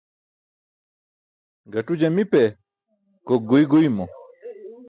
Gaṭu jamipe, gok guiy guymo.